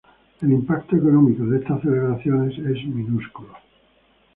El impacto económico de estas celebraciones es minúsculo.